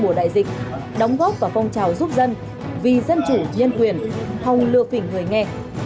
mùa đại dịch đóng góp vào phong trào giúp dân vì dân chủ nhân quyền hòng lừa phỉnh người nghe